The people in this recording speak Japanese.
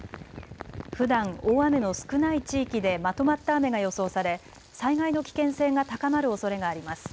ふだん大雨の少ない地域でまとまった雨が予想され災害の危険性が高まるおそれがあります。